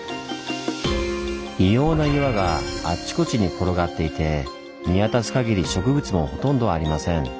異様な岩があちこちに転がっていて見渡す限り植物もほとんどありません。